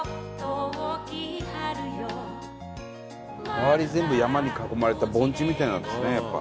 周り全部山に囲まれた盆地みたいなんですねやっぱ。